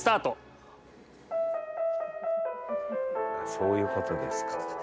そういうことですか。